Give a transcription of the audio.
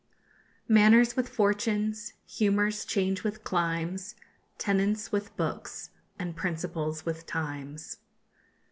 Manners with fortunes, humours change with climes, _Tenets with books, and principles with times.